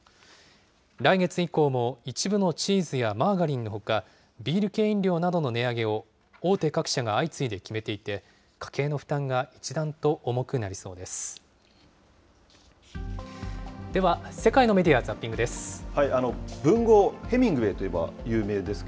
来月以降も一部のチーズやマーガリンのほか、ビール系飲料などの値上げを、大手各社が相次いで決めていて、家計の負担が一段と重くなりそうです。